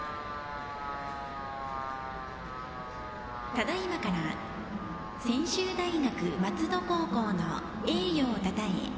ただいまから専修大学松戸高校の栄誉をたたえ